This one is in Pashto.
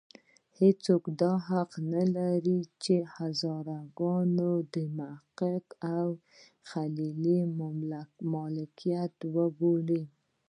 هېڅوک دا حق نه لري چې هزاره ګان د محقق او خلیلي ملکیت وبولي.